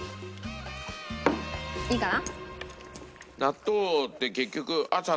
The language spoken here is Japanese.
いいかな？